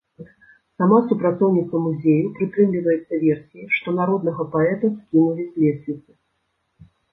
Сама супрацоўніца музею прытрымліваецца версіі, што народнага паэта скінулі з лесвіцы.